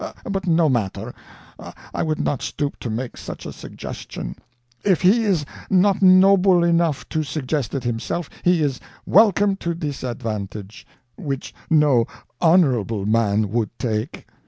But no matter; I would not stoop to make such a suggestion; if he is not noble enough to suggest it himself, he is welcome to this advantage, which no honorable man would take."